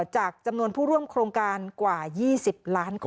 จำนวนผู้ร่วมโครงการกว่า๒๐ล้านคน